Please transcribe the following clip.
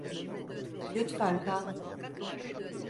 Lütfen kal.